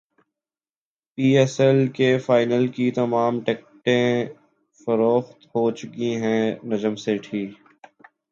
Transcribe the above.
پی S L کے final کی تمام ٹکٹیں فروخت ہوچکی ہیں نجم سیٹھی